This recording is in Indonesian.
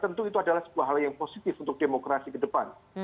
tentu itu adalah sebuah hal yang positif untuk demokrasi ke depan